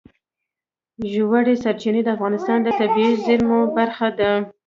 ژورې سرچینې د افغانستان د طبیعي زیرمو برخه ده.